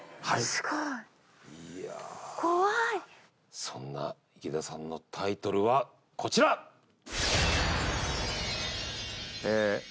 すごい怖いいやそんな池田さんのタイトルはこちらええ